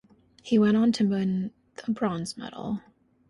He went on to win the bronze medal.